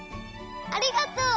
ありがとう！